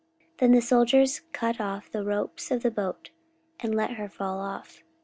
44:027:032 Then the soldiers cut off the ropes of the boat, and let her fall off.